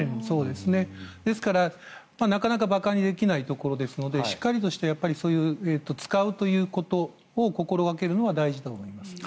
ですから、なかなか馬鹿にできないところですのでしっかりとそういう使うということを心掛けるのが大事だと思います。